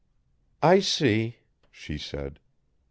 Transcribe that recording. "I see," she said.